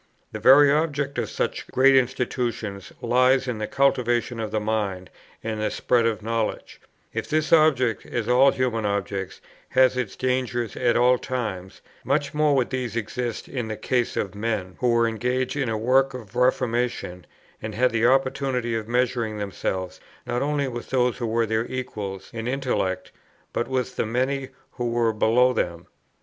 The very object of such great institutions lies in the cultivation of the mind and the spread of knowledge: if this object, as all human objects, has its dangers at all times, much more would these exist in the case of men, who were engaged in a work of reformation, and had the opportunity of measuring themselves, not only with those who were their equals in intellect, but with the many, who were below them.